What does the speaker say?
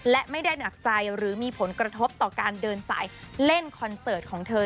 และไม่ได้หนักใจหรือมีผลกระทบต่อการเดินสายเล่นคอนเสิร์ตของเธอ